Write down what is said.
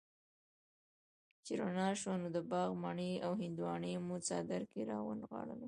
چې رڼا شوه نو د باغ مڼې او هندواڼې مو څادر کي را ونغاړلې